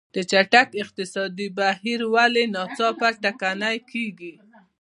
د چټکې اقتصادي ودې بهیر ولې ناڅاپه ټکنی کېږي.